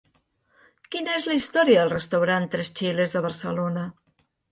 Quina és la història del restaurant Tres Chiles de Barcelona?